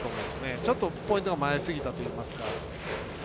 ちょっとポイントが前すぎたといいますか。